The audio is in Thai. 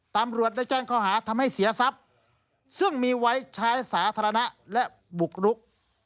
ตำรวจได้แจ้งข้อหาทำให้เสียทรัพย์ซึ่งมีไว้ใช้สาธารณะและบุกรุก